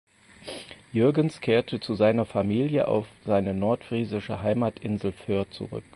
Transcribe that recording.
Jürgens kehrte zu seiner Familie auf seine nordfriesische Heimatinsel Föhr zurück.